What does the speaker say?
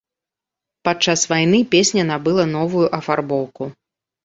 Падчас вайны песня набыла новую афарбоўку.